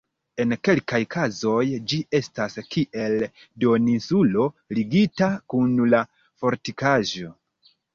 En kelkaj kazoj ĝi estas kiel duoninsulo ligita kun la fortikaĵo.